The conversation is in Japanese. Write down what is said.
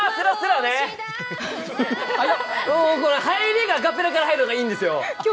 入りがアカペラから入るのがいいんですよ。